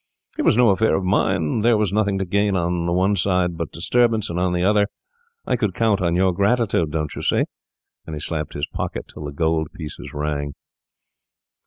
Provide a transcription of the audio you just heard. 'It was no affair of mine. There was nothing to gain on the one side but disturbance, and on the other I could count on your gratitude, don't you see?' And he slapped his pocket till the gold pieces rang.